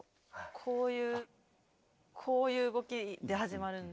こういうこういう動きで始まるんで。